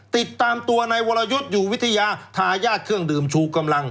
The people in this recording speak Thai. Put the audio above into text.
ติดตามตัวในวรยุทธ์อยู่วิทยาทายาทเครื่องดื่มชูกำลัง